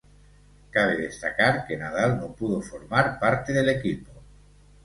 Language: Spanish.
Cabe destacar, que Nadal no pudo formar parte del equipo.